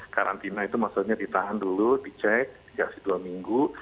karantina itu maksudnya ditahan dulu dicek dikasih dua minggu